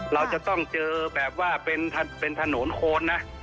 เราจะต้องเจอแบบว่าเป็นถนนโคนนะ